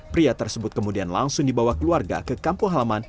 pria tersebut kemudian langsung dibawa keluarga ke kampung halaman